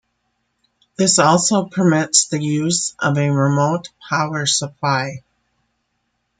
This also permits the use of a remote power supply.